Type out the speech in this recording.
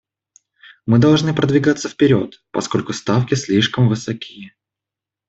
Мы должны продвигаться вперед, поскольку ставки слишком высоки.